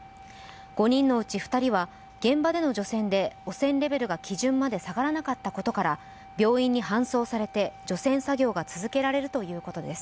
５人のうち２人は現場での除染で汚染レベルが基準まで下がらなかったことから病院に搬送されて、除染作業が続けられるということです。